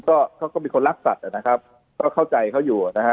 ก็เขาก็มีคนรักสัตว์นะครับก็เข้าใจเขาอยู่นะฮะ